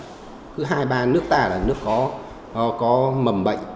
thứ hai ba nước ta là nước có mầm bệnh